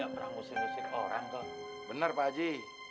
bersama pak haji